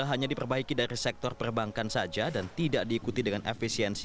hanya diperbaiki dari sektor perbankan saja dan tidak diikuti dengan efisiensi